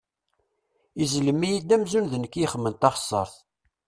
Izellem-iyi-d amzun d nekk i ixedmen taxeṣṣaṛt!